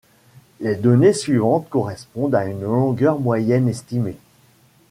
Les données suivantes correspondent à une longueur moyenne estimée.